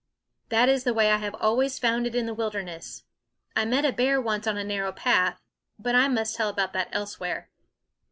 That is the way I have always found it in the wilderness. I met a bear once on a narrow path but I must tell about that elsewhere.